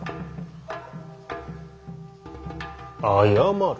謝る。